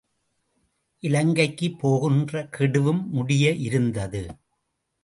இலங்கைக்குப் போகின்ற கெடுவும் முடிய இருந்தது.